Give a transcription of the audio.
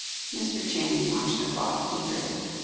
Mr. Channing watched the clock eagerly.